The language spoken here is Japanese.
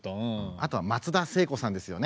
あとは松田聖子さんですよね。